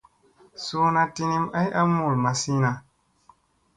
Suuna tinim ay a mul mazina.